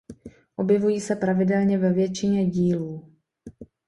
Objevují se pravidelně ve většině dílů.